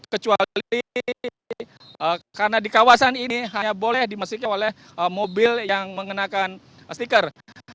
kecuali karena di kawasan ini hanya boleh dimasuki oleh mobil yang mengenakan stiker